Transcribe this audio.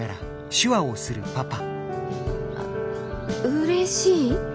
うれしい？